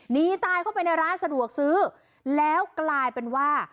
หนีตายเข้าไปในร้านสะดวกซื้อแล้วกลายเป็นว่า